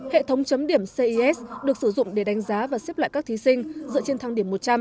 hệ thống chấm điểm ces được sử dụng để đánh giá và xếp loại các thí sinh dựa trên thang điểm một trăm linh